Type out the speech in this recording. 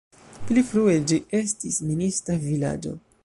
Pli frue ĝi estis minista vilaĝo.